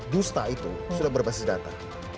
dusta itu sudah berbasis data